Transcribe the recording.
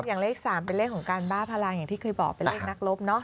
อย่างเลข๓เป็นเลขของการบ้าพลังอย่างที่เคยบอกเป็นเลขนักรบเนอะ